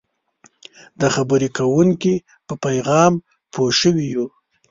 د خبرې کوونکي په پیغام پوه شوي یو.